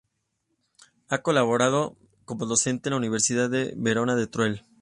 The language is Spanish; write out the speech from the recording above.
Ha colaborado como docente en la Universidad de Verano de Teruel.